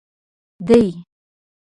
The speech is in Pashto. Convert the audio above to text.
دي